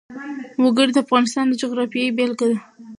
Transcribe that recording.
وګړي د افغانستان د جغرافیې بېلګه ده.